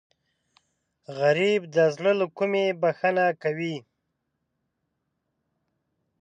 غریب د زړه له کومې بښنه کوي